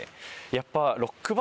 やっぱ。